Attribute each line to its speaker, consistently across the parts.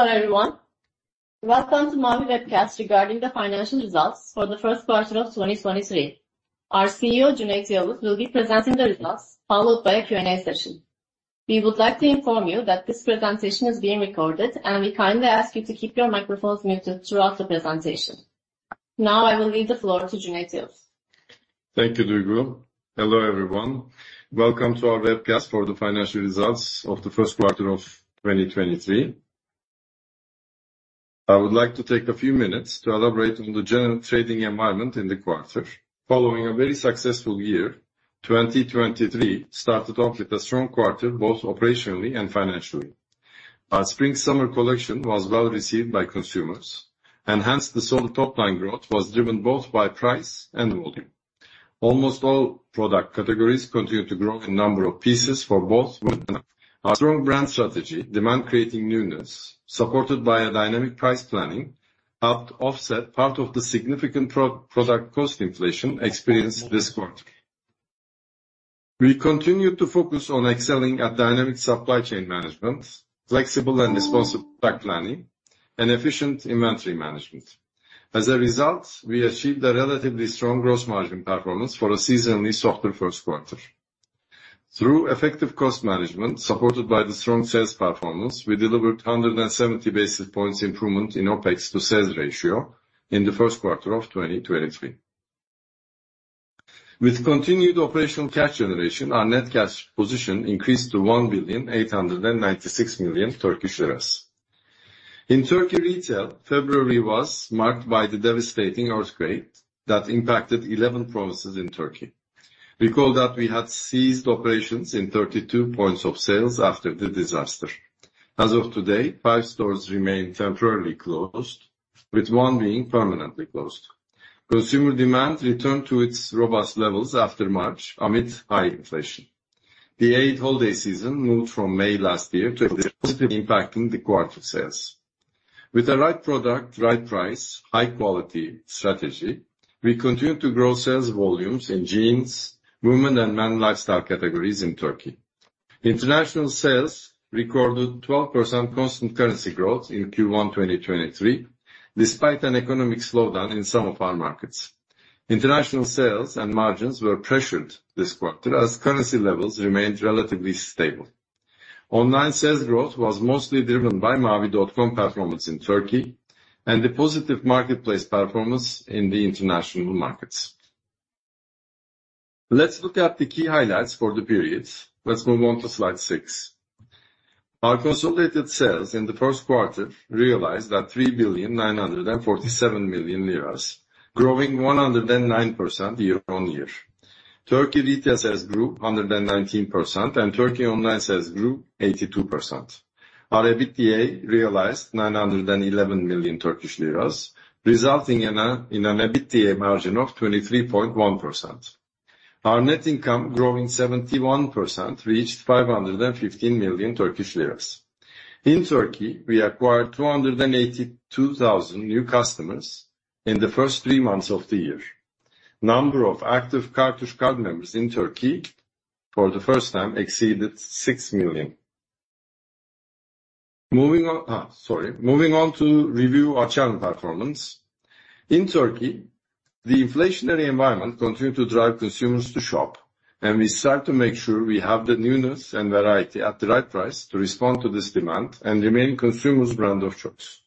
Speaker 1: Hello, everyone. Welcome to Mavi webcast regarding the financial results for the Q1 of 2023. Our CEO, Cüneyt Yavuz, will be presenting the results, followed by a Q&A session. We would like to inform you that this presentation is being recorded, and we kindly ask you to keep your microphones muted throughout the presentation. Now I will leave the floor to Cüneyt Yavuz.
Speaker 2: Thank you, Duygu. Hello, everyone. Welcome to our webcast for the financial results of the Q1 of 2023. I would like to take a few minutes to elaborate on the general trading environment in the quarter. Following a very successful year, 2023 started off with a strong quarter, both operationally and financially. Our spring/summer collection was well received by consumers, hence the solid top-line growth was driven both by price and volume. Almost all product categories continued to grow in number of pieces for both men and women. Our strong brand strategy, demand creating newness, supported by a dynamic price planning, helped to offset part of the significant product cost inflation experienced this quarter. We continued to focus on excelling at dynamic supply chain management, flexible and responsive pack planning, and efficient inventory management. As a result, we achieved a relatively strong gross margin performance for a seasonally softer Q1. Through effective cost management, supported by the strong sales performance, we delivered 170 basis points improvement in OpEx to sales ratio in the Q1 of 2023. With continued operational cash generation, our net cash position increased to 1,896,000,000 Turkish lira. In Turkey retail, February was marked by the devastating earthquake that impacted 11 provinces in Turkey. Recall that we had ceased operations in 32 points of sales after the disaster. As of today, five stores remain temporarily closed, with one being permanently closed. Consumer demand returned to its robust levels after March, amid high inflation. The Eid Holiday season moved from May last year impacting the quarter sales. With the right product, right price, high quality strategy, we continued to grow sales volumes in jeans, women, and men lifestyle categories in Turkey. International sales recorded 12% constant currency growth in Q1 2023, despite an economic slowdown in some of our markets. International sales and margins were pressured this quarter as currency levels remained relatively stable. Online sales growth was mostly driven by mavi.com performance in Turkey and the positive marketplace performance in the international markets. Let's look at the key highlights for the period. Let's move on to slide six. Our consolidated sales in the Q1 realized 3,947,000,000 lira growing 109% year-on-year. Turkey retail sales grew 119%, and Turkey online sales grew 82%. Our EBITDA realized 911,000,000 Turkish lira, resulting in an EBITDA margin of 23.1%. Our net income, growing 71%, reached 515,000,000 Turkish lira. In Turkey, we acquired 282,000 new customers in the first three months of the year. Number of active Kartuş card members in Turkey, for the first time, exceeded 6 million. Moving on to review our channel performance. In Turkey, the inflationary environment continued to drive consumers to shop, and we start to make sure we have the newness and variety at the right price to respond to this demand and remain consumers' brand of choice.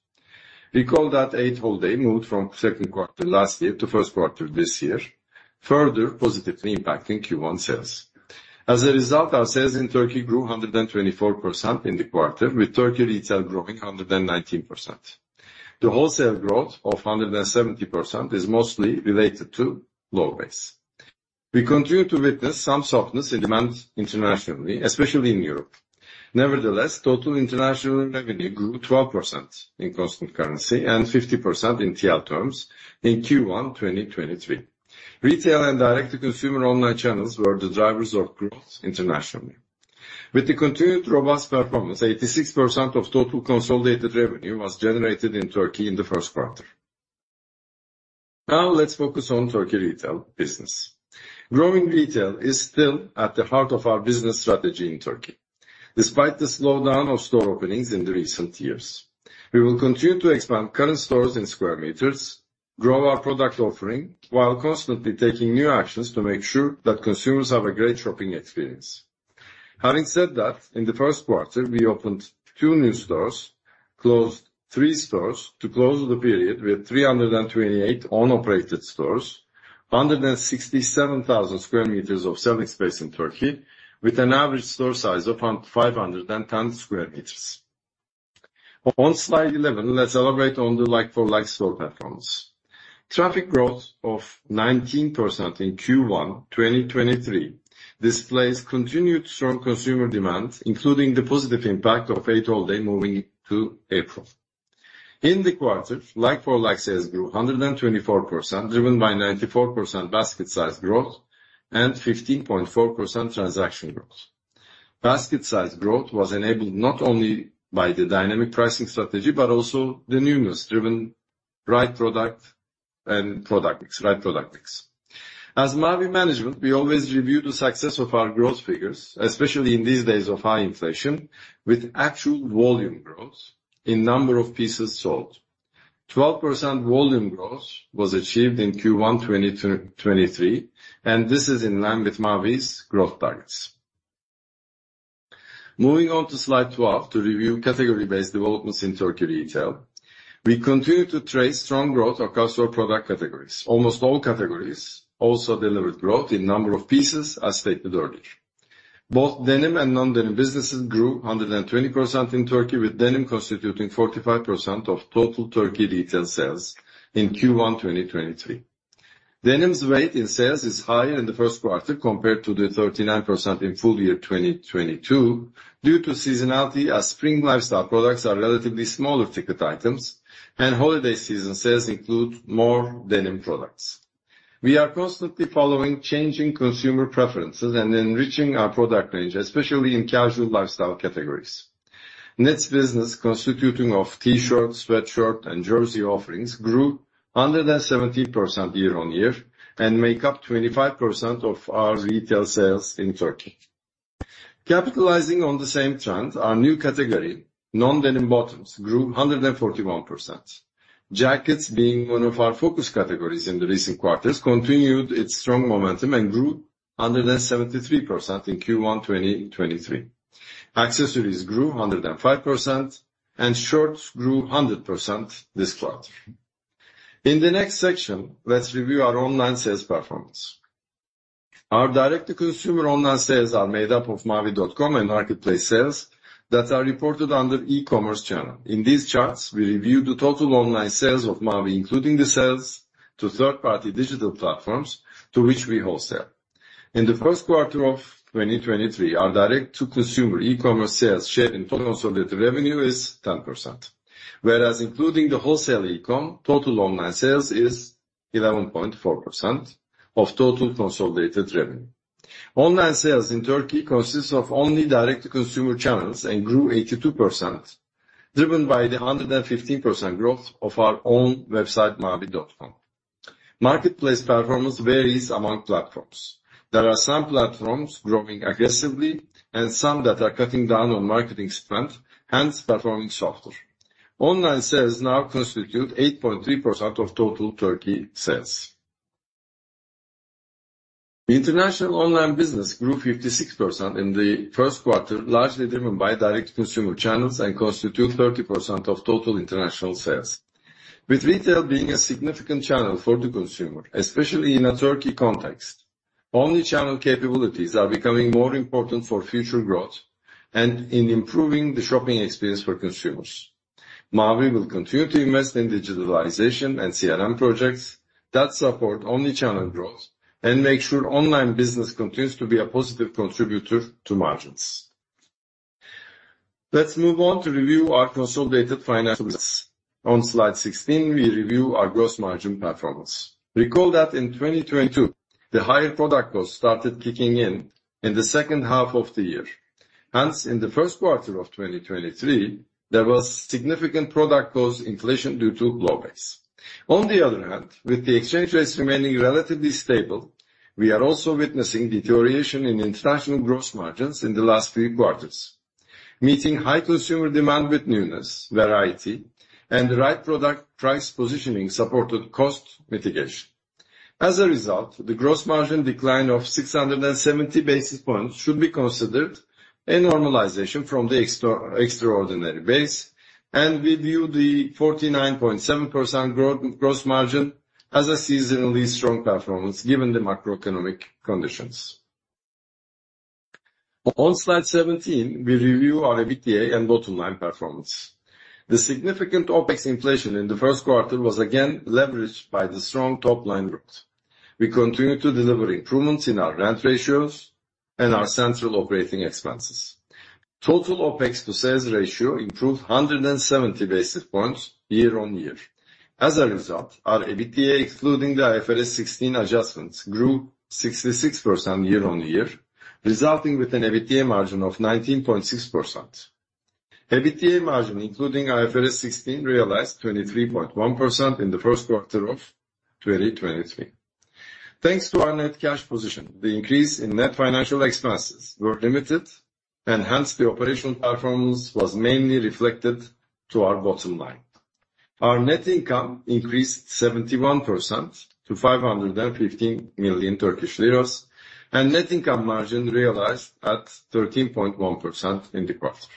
Speaker 2: Recall that Eid Holiday moved from Q2 last year to Q1 this year, further positively impacting Q1 sales. Our sales in Turkey grew 124% in the quarter, with Turkey retail growing 119%. The wholesale growth of 170% is mostly related to low base. We continue to witness some softness in demand internationally, especially in Europe. Total international revenue grew 12% in constant currency and 50% in TL terms in Q1 2023. Retail and direct-to-consumer online channels were the drivers of growth internationally. With the continued robust performance, 86% of total consolidated revenue was generated in Turkey in the Q1. Let's focus on Turkey retail business. Growing retail is still at the heart of our business strategy in Turkey, despite the slowdown of store openings in the recent years. We will continue to expand current stores in square meters, grow our product offering, while constantly taking new actions to make sure that consumers have a great shopping experience. Having said that, in the Q1, we opened two new stores, closed three stores, to close the period with 328 own operated stores, 167,000 sq m of selling space in Turkey, with an average store size of 510 square meters. On slide 11, let's elaborate on the like-for-like store performance. Traffic growth of 19% in Q1, 2023, displays continued strong consumer demand, including the positive impact of Eid Holiday moving to April. In the quarter, like-for-like sales grew 124%, driven by 94% basket size growth and 15.4% transaction growth. Basket size growth was enabled not only by the dynamic pricing strategy, but also the newness-driven right product mix. As Mavi management, we always review the success of our growth figures, especially in these days of high inflation, with actual volume growth in number of pieces sold. 12% volume growth was achieved in Q1 2023. This is in line with Mavi's growth targets. Moving on to slide 12, to review category-based developments in Turkey retail. We continue to trace strong growth across our product categories. Almost all categories also delivered growth in number of pieces, as stated earlier. Both denim and non-denim businesses grew 120% in Turkey, with denim constituting 45% of total Turkey retail sales in Q1 2023. Denim's weight in sales is higher in the Q1 compared to the 39% in full year 2022, due to seasonality, as spring lifestyle products are relatively smaller ticket items, and holiday season sales include more denim products. We are constantly following changing consumer preferences and enriching our product range, especially in casual lifestyle categories. Knits business, constituting of T-shirts, sweatshirt, and jersey offerings, grew 117% year-on-year, and make up 25% of our retail sales in Turkey. Capitalizing on the same trend, our new category, non-denim bottoms, grew 141%. Jackets, being one of our focus categories in the recent quarters, continued its strong momentum and grew 173% in Q1 2023. Accessories grew 105%, shorts grew 100% this quarter. In the next section, let's review our online sales performance. Our direct-to-consumer online sales are made up of mavi.com and marketplace sales that are reported under e-commerce channel. In these charts, we review the total online sales of Mavi, including the sales to third-party digital platforms to which we wholesale. In the Q1 of 2023, our direct-to-consumer e-commerce sales share in total consolidated revenue is 10%, whereas including the wholesale e-com, total online sales is 11.4% of total consolidated revenue. Online sales in Turkey consists of only direct-to-consumer channels and grew 82%, driven by the 115% growth of our own website, mavi.com. Marketplace performance varies among platforms. There are some platforms growing aggressively and some that are cutting down on marketing spend, hence performing softer. Online sales now constitute 8.3% of total Turkey sales. International online business grew 56% in the Q1, largely driven by direct-to-consumer channels and constitute 30% of total international sales. With retail being a significant channel for the consumer, especially in a Turkey context, omni-channel capabilities are becoming more important for future growth and in improving the shopping experience for consumers. Mavi will continue to invest in digitalization and CRM projects that support omni-channel growth and make sure online business continues to be a positive contributor to margins. Let's move on to review our consolidated financial results. On slide 16, we review our gross margin performance. Recall that in 2022, the higher product cost started kicking in in the H2 of the year. In the Q1 of 2023, there was significant product cost inflation due to low base. With the exchange rates remaining relatively stable, we are also witnessing deterioration in international gross margins in the last three quarters. Meeting high consumer demand with newness, variety, and the right product price positioning supported cost mitigation. The gross margin decline of 670 basis points should be considered a normalization from the extraordinary base, and we view the 49.7% growth gross margin as a seasonally strong performance, given the macroeconomic conditions. On slide 17, we review our EBITDA and bottom line performance. The significant OpEx inflation in the Q1 was again leveraged by the strong top-line growth. We continue to deliver improvements in our rent ratios and our central operating expenses. Total OpEx to sales ratio improved 170 basis points year-on-year. Our EBITDA, excluding the IFRS 16 adjustments, grew 66% year-over-year, resulting with an EBITDA margin of 19.6%. EBITDA margin, including IFRS 16, realized 23.1% in the Q1 of 2023. Thanks to our net cash position, the increase in net financial expenses were limited, and hence the operational performance was mainly reflected to our bottom line. Our net income increased 71% to 515,000,000 Turkish lira and net income margin realized at 13.1% in the quarter.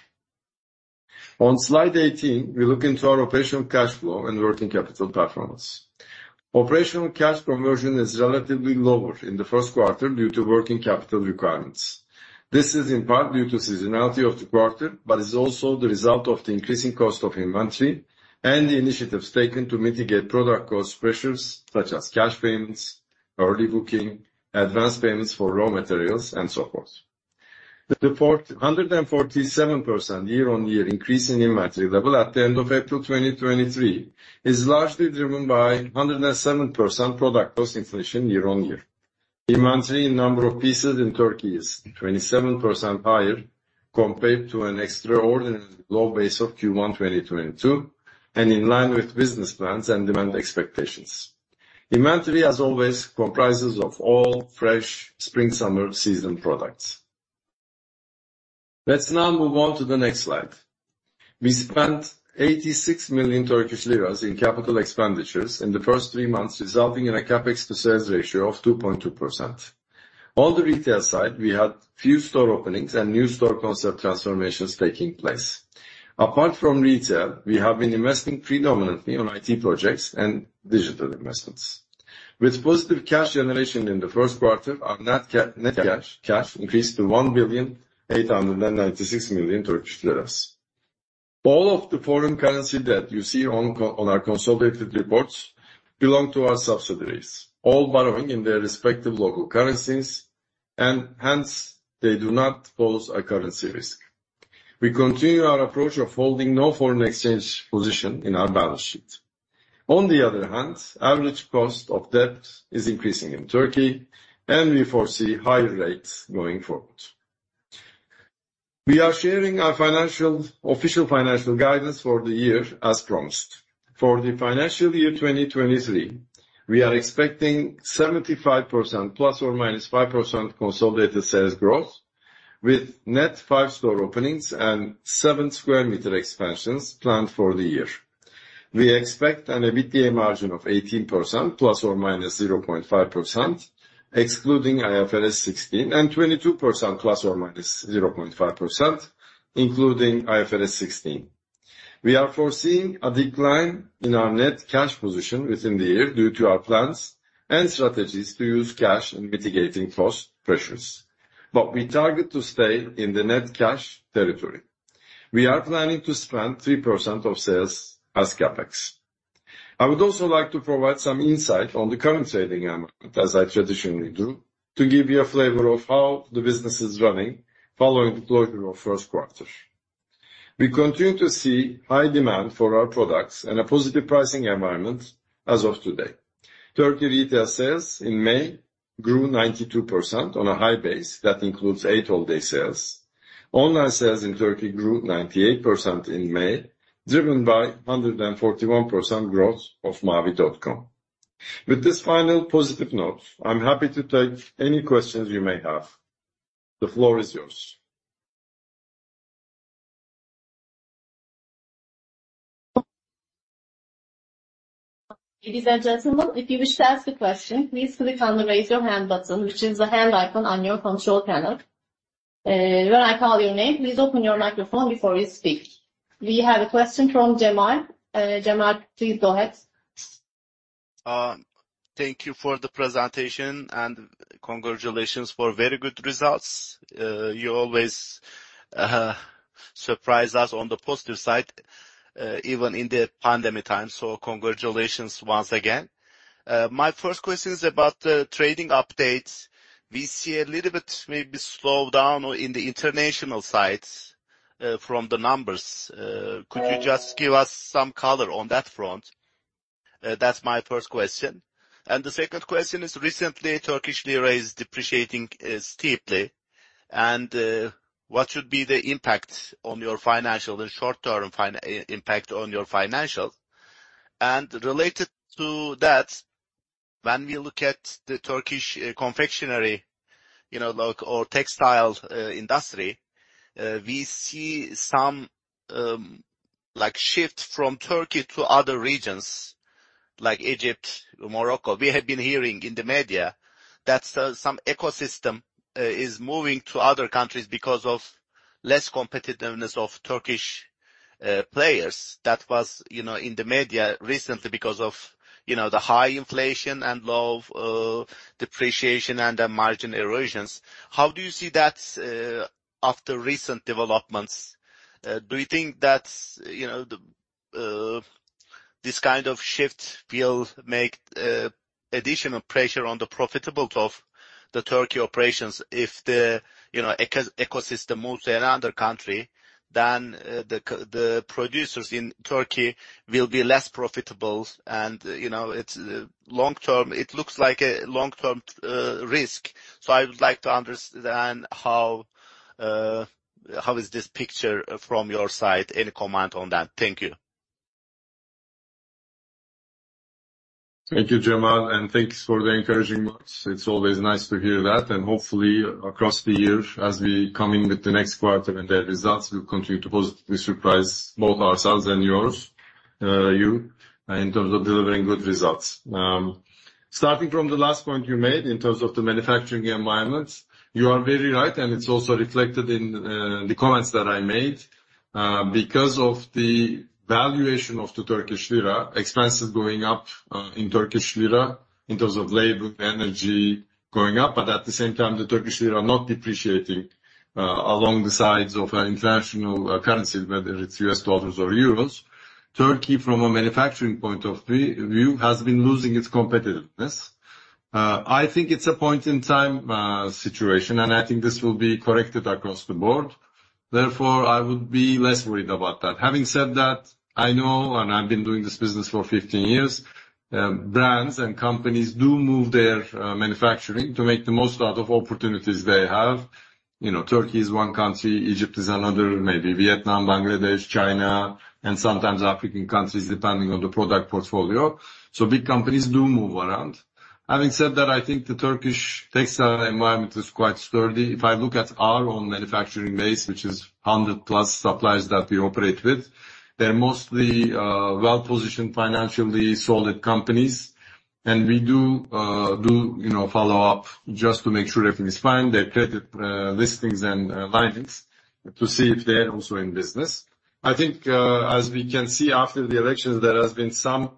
Speaker 2: On slide 18, we look into our operational cash flow and working capital performance. Operational cash conversion is relatively lower in the Q1 due to working capital requirements. This is in part due to seasonality of the quarter, is also the result of the increasing cost of inventory and the initiatives taken to mitigate product cost pressures, such as cash payments, early booking, advanced payments for raw materials, and so forth. The 447% year-on-year increase in inventory level at the end of April 2023, is largely driven by 107% product cost inflation year-on-year. Inventory number of pieces in Turkey is 27% higher compared to an extraordinary low base of Q1 2022, in line with business plans and demand expectations. Inventory, as always, comprises of all fresh spring/summer season products. Let's now move on to the next slide. We spent 86,000,000 Turkish lira in capital expenditures in the first three months, resulting in a CapEx to sales ratio of 2.2%. On the retail side, we had few store openings and new store concept transformations taking place. Apart from retail, we have been investing predominantly on IT projects and digital investments. With positive cash generation in the Q1, our net cash increased to 1,896,000,000 Turkish lira. All of the foreign currency that you see on our consolidated reports belong to our subsidiaries, all borrowing in their respective local currencies. Hence, they do not pose a currency risk. We continue our approach of holding no foreign exchange position in our balance sheet. On the other hand, average cost of debt is increasing in Turkey. We foresee higher rates going forward. We are sharing our financial, official financial guidance for the year as promised. For the financial year 2023, we are expecting 75%, ±5% consolidated sales growth, with net five store openings and 7 sq m expansions planned for the year. We expect an EBITDA margin of 18%, ±0.5%, excluding IFRS 16, and 22%, ±0.5%, including IFRS 16. We are foreseeing a decline in our net cash position within the year due to our plans and strategies to use cash in mitigating cost pressures, but we target to stay in the net cash territory. We are planning to spend 3% of sales as CapEx. I would also like to provide some insight on the current trading environment, as I traditionally do, to give you a flavor of how the business is running following the closure of Q1. We continue to see high demand for our products and a positive pricing environment as of today. Turkey retail sales in May grew 92% on a high base. That includes Eid Holiday sales. Online sales in Turkey grew 98% in May, driven by 141% growth of mavi.com. With this final positive note, I'm happy to take any questions you may have. The floor is yours.
Speaker 1: Ladies and gentlemen, if you wish to ask a question, please click on the Raise Your Hand button, which is the hand icon on your control panel. When I call your name, please open your microphone before you speak. We have a question from Jamal. Jamal, please go ahead.
Speaker 3: Thank you for the presentation, congratulations for very good results. You always surprise us on the positive side, even in the pandemic time. Congratulations once again. My first question is about the trading updates. We see a little bit, maybe slowdown in the international sites, from the numbers. Could you just give us some color on that front? That's my first question. The second question is: Recently, Turkish lira is depreciating steeply, what should be the impact on your financial, the short-term impact on your financials? Related to that, when we look at the Turkish confectionery, you know, like or textile industry, we see some, like, shift from Turkey to other regions like Egypt, Morocco. We have been hearing in the media that some ecosystem is moving to other countries because of less competitiveness of Turkish players. That was, you know, in the media recently because of, you know, the high inflation and low depreciation and the margin erosions. How do you see that after recent developments? Do you think that, you know, the this kind of shift will make additional pressure on the profitable of the Turkey operations? If the, you know, ecosystem moves to another country, then the producers in Turkey will be less profitable. You know, it looks like a long-term risk. I would like to understand how how is this picture from your side? Any comment on that? Thank you.
Speaker 2: Thank you, Jamal, thanks for the encouraging words. It's always nice to hear that, hopefully, across the years, as we coming with the next quarter and the results will continue to positively surprise both ourselves and yours, you, in terms of delivering good results. Starting from the last point you made in terms of the manufacturing environment, you are very right, it's also reflected in the comments that I made. Because of the valuation of the Turkish lira, expenses going up in Turkish lira in terms of labor, energy going up, at the same time, the Turkish lira not depreciating along the sides of our international currencies, whether it's US dollars or euros. Turkey, from a manufacturing point of view, has been losing its competitiveness. I think it's a point in time, situation, and I think this will be corrected across the board. Therefore, I would be less worried about that. Having said that, I know, and I've been doing this business for 15 years, brands and companies do move their manufacturing to make the most out of opportunities they have. You know, Turkey is one country, Egypt is another, maybe Vietnam, Bangladesh, China, and sometimes African countries, depending on the product portfolio. Big companies do move around. Having said that, I think the Turkish textile environment is quite sturdy. If I look at our own manufacturing base, which is 100+ suppliers that we operate with, they're mostly, well-positioned, financially solid companies. We do, you know, follow up just to make sure everything is fine, their credit listings, and linings, to see if they're also in business. I think, as we can see after the elections, there has been some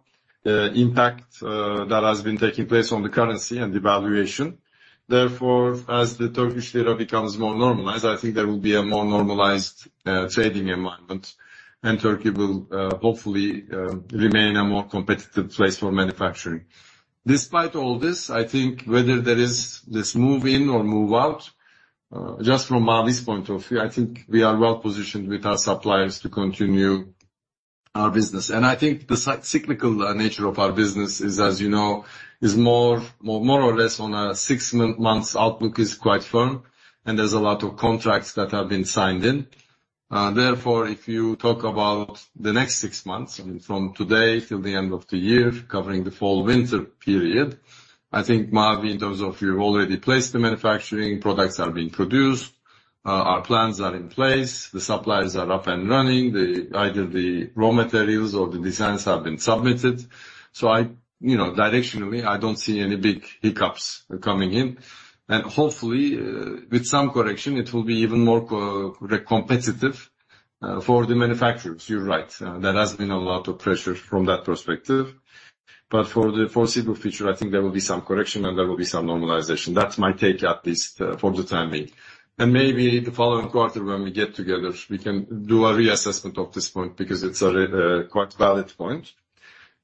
Speaker 2: impact that has been taking place on the currency and devaluation. Therefore, as the Turkish lira becomes more normalized, I think there will be a more normalized trading environment, and Turkey will, hopefully, remain a more competitive place for manufacturing. Despite all this, I think whether there is this move in or move out, just from Mavi's point of view, I think we are well positioned with our suppliers to continue our business. I think the cyclical nature of our business is, as you know, is more or less on a six-month outlook is quite firm, and there's a lot of contracts that have been signed in. Therefore, if you talk about the next six months, I mean, from today till the end of the year, covering the fall-winter period, I think Mavi, in terms of you've already placed the manufacturing, products are being produced, our plans are in place, the suppliers are up and running. Either the raw materials or the designs have been submitted. I, you know, directionally, I don't see any big hiccups coming in. Hopefully, with some correction, it will be even more competitive for the manufacturers. You're right, there has been a lot of pressure from that perspective. For the foreseeable future, I think there will be some correction, and there will be some normalization. That's my take, at least, for the time being. Maybe the following quarter, when we get together, we can do a reassessment of this point, because it's a quite valid point.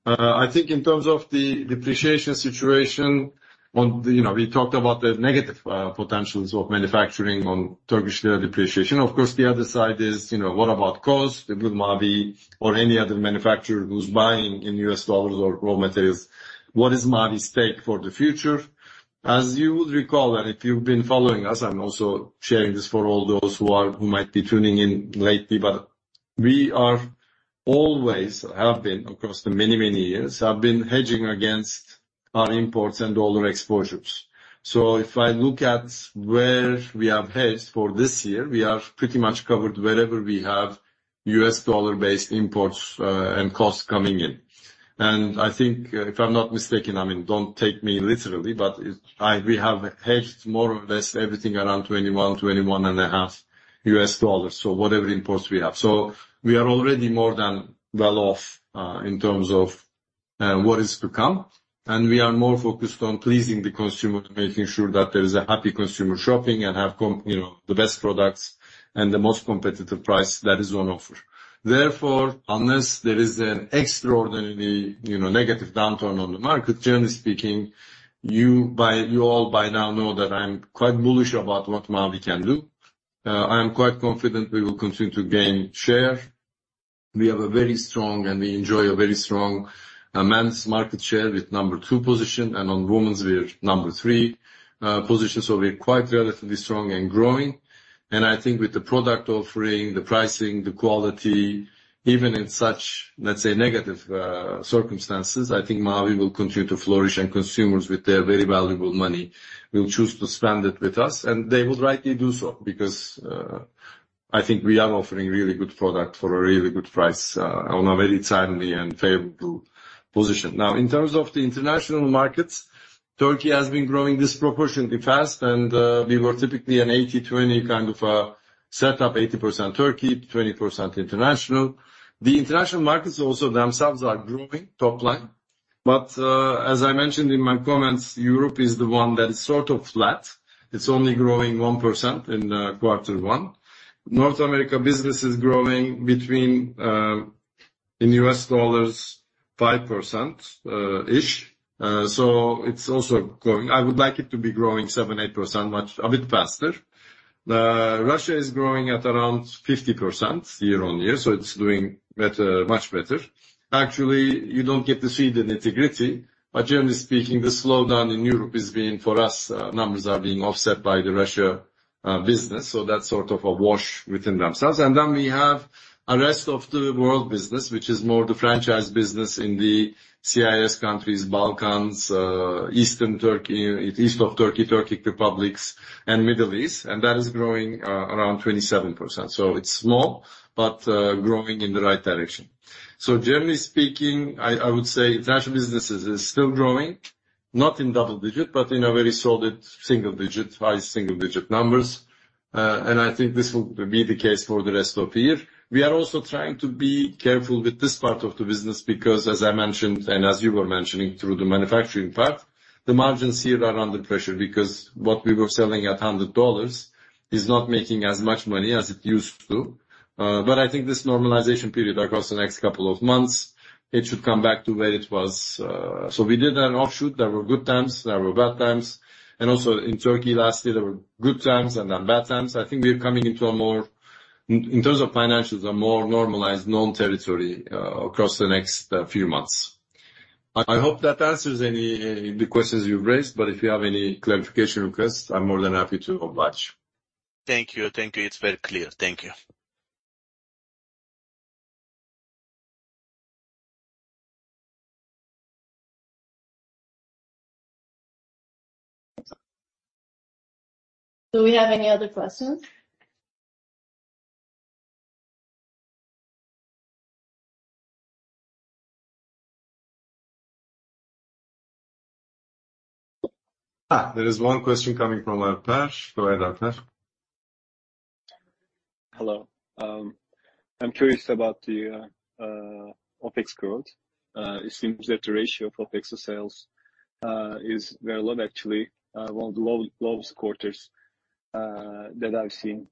Speaker 2: I think in terms of the depreciation situation, you know, we talked about the negative potentials of manufacturing on Turkish lira depreciation. The other side is, you know, what about cost with Mavi or any other manufacturer who's buying in US dollars or raw materials? What is Mavi's take for the future? As you would recall, if you've been following us, I'm also sharing this for all those who might be tuning in lately, but we are always, have been across the many, many years, have been hedging against our imports and dollar exposures. If I look at where we are hedged for this year, we are pretty much covered wherever we have US dollar-based imports and costs coming in. I think, if I'm not mistaken, I mean, don't take me literally, but we have hedged more or less everything around $21.5 so whatever imports we have. We are already more than well off in terms of what is to come, and we are more focused on pleasing the consumer, to making sure that there is a happy consumer shopping, and have. You know, the best products and the most competitive price that is on offer. Unless there is an extraordinarily, you know, negative downturn on the market, generally speaking, you all by now know that I'm quite bullish about what Mavi can do. I am quite confident we will continue to gain share. We have a very strong, and we enjoy a very strong men's market share with number two position, and on women's, we're number three position. We're quite relatively strong and growing. I think with the product offering, the pricing, the quality, even in such, let's say, negative circumstances, I think Mavi will continue to flourish, and consumers, with their very valuable money, will choose to spend it with us. They would rightly do so, because I think we are offering really good product for a really good price on a very timely and favorable position. In terms of the international markets, Turkey has been growing disproportionately fast, and we were typically an 80/20 kind of setup: 80% Turkey, 20% international. The international markets also themselves are growing top line. As I mentioned in my comments, Europe is the one that is sort of flat. It's only growing 1% in Q1. North America business is growing between in US dollars, 5% ish. It's also growing. I would like it to be growing 7%-8% a bit faster. Russia is growing at around 50% year-on-year, it's doing better, much better. Actually, you don't get to see the nitty-gritty, but generally speaking, the slowdown in Europe is being, for us, numbers are being offset by the Russia business, so that's sort of a wash within themselves. We have a rest of the world business, which is more the franchise business in the CIS countries, Balkans, Eastern Turkey, east of Turkey, Turkic republics, and Middle East, and that is growing around 27%. It's small, but growing in the right direction. Generally speaking, I would say international businesses is still growing, not in double-digit, but in a very solid single-digit, high single-digit numbers. I think this will be the case for the rest of the year. We are also trying to be careful with this part of the business, because, as I mentioned, and as you were mentioning through the manufacturing part, the margins here are under pressure, because what we were selling at $100 is not making as much money as it used to. I think this normalization period across the next couple of months, it should come back to where it was. We did an offshoot. There were good times, there were bad times, and also in Turkey last year, there were good times and then bad times. I think we are coming into a more, in terms of financials, a more normalized known territory, across the next few months. I hope that answers any, the questions you've raised, but if you have any clarification requests, I'm more than happy to oblige.
Speaker 3: Thank you. Thank you. It's very clear. Thank you.
Speaker 1: Do we have any other questions?
Speaker 2: There is one question coming from Alpesh. Go ahead, Alpesh.
Speaker 4: Hello. I'm curious about the OpEx growth. It seems that the ratio of OpEx to sales is very low, actually, one of the lowest quarters that I've seen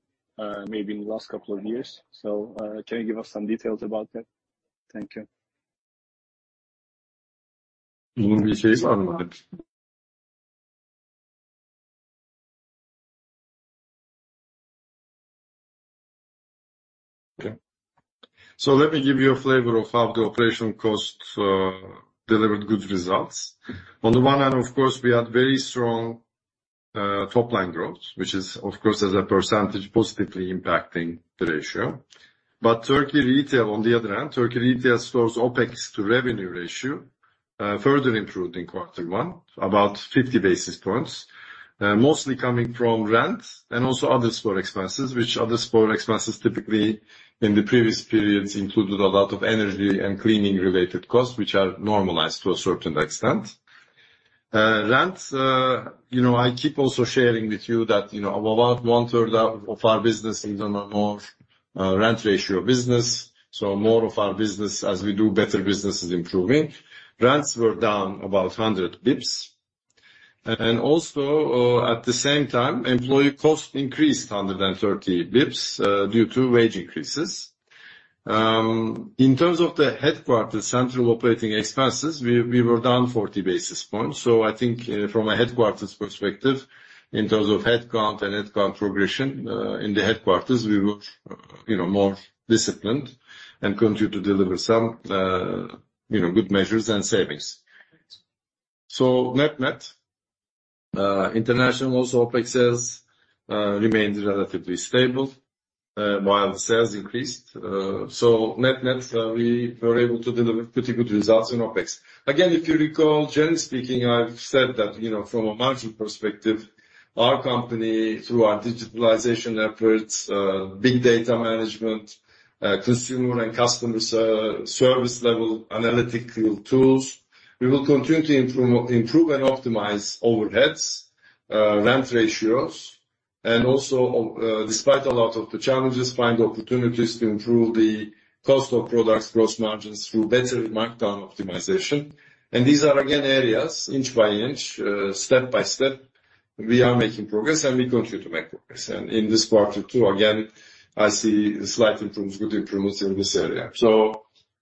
Speaker 4: maybe in the last couple of years. Can you give us some details about that? Thank you.
Speaker 2: Let me give you a flavor of how the operational costs delivered good results. On the one hand, of course, we had very strong top-line growth, which is, of course, as a percentage, positively impacting the ratio. Turkey retail on the other hand, Turkey retail stores' OpEx to revenue ratio further improved in Q1, about 50 basis points. Mostly coming from rent and also other store expenses, which other store expenses typically, in the previous periods, included a lot of energy and cleaning-related costs, which are normalized to a certain extent. Rent, you know, I keep also sharing with you that, you know, about one third of our business is on a more rent ratio business, so more of our business, as we do better business is improving. Rents were down about 100 basis points. Also, at the same time, employee costs increased 130 basis points due to wage increases. In terms of the headquarters, central operating expenses, we were down 40 basis points. I think, from a headquarters perspective, in terms of headcount and headcount progression, in the headquarters, we were, you know, more disciplined and continue to deliver some, you know, good measures and savings. Net-net, international also OpEx sales remained relatively stable while the sales increased. Net-net, we were able to deliver pretty good results in OpEx. Again, if you recall, generally speaking, I've said that, you know, from a margin perspective, our company, through our digitalization efforts, big data management, consumer and customer service level analytical tools, we will continue to improve and optimize overheads, rent ratios, and also, despite a lot of the challenges, find opportunities to improve the cost of products, gross margins through better markdown optimization. These are again, areas inch by inch, step by step, we are making progress, and we continue to make progress. In this quarter, too, again, I see good improvements in this area.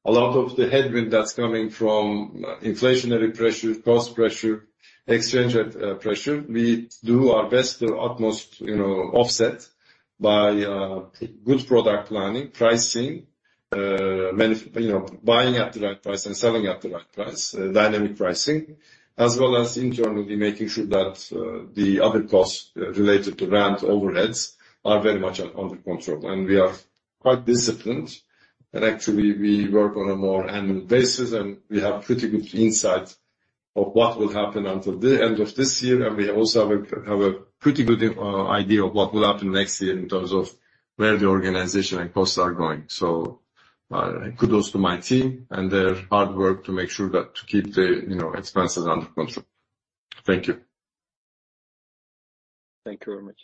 Speaker 2: A lot of the headwind that's coming from inflationary pressure, cost pressure, exchange pressure, we do our best to utmost, you know, offset by good product planning, pricing. You know, buying at the right price and selling at the right price, dynamic pricing, as well as internally making sure that, the other costs related to rent overheads are very much under control. We are quite disciplined, and actually, we work on a more annual basis, and we have pretty good insight of what will happen until the end of this year. We also have a, have a pretty good idea of what will happen next year in terms of where the organization and costs are going. Kudos to my team and their hard work to make sure that to keep the, you know, expenses under control. Thank you.
Speaker 4: Thank you very much.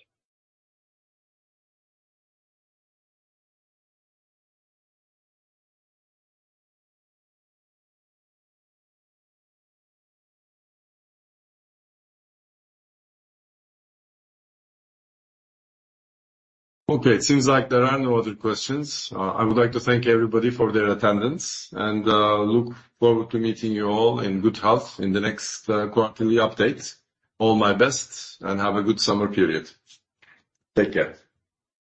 Speaker 2: Okay, it seems like there are no other questions. I would like to thank everybody for their attendance, and look forward to meeting you all in good health in the next quarterly update. All my best, and have a good summer period. Take care.